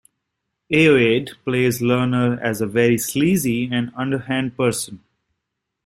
Ayoade plays Learner as a very sleazy and underhand person.